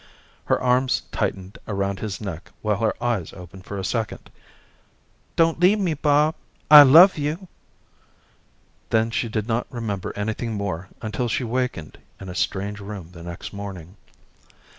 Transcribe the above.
Her arms tightened around his neck while her eyes opened for a second. "Don't leave me, Bob. I love you." Then she did not remember anything more until she wakened in a strange room the next morning.